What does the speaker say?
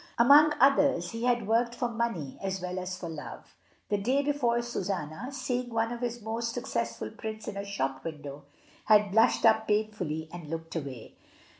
Among others he had worked for money as well as for love. The day before Susanna, seeing one of his most successful prints in a shop window, had blushed up painfully and looked away.